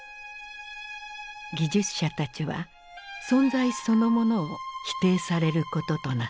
技術者たちは存在そのものを否定されることとなった。